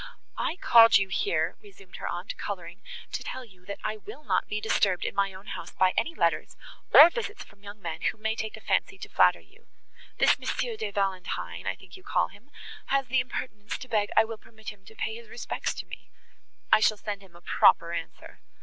"I called you here," resumed her aunt, colouring, "to tell you, that I will not be disturbed in my own house by any letters, or visits from young men, who may take a fancy to flatter you. This M. de Valantine—I think you call him, has the impertinence to beg I will permit him to pay his respects to me! I shall send him a proper answer.